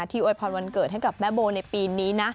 ที่โอยพรวันเกิดให้กับแม่โบในปีนี้